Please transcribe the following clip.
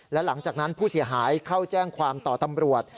และหลังจากนั้นผู้เสียหายเข้าแจ้งความต่อตำรวจ